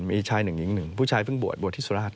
มีแม่ชาย๑แล้วกันอีก๑ผู้ชายพึ่งบวชบวชที่สุราช